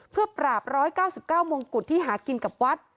เพื่อปราบ๑๙๙มงกุฎที่หากินกับวัด